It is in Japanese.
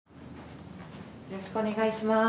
よろしくお願いします。